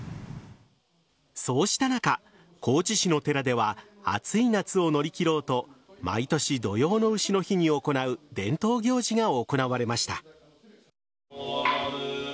そうした中、高知市の寺では暑い夏を乗り切ろうと毎年、土用の丑の日に行う伝統行事が行われました。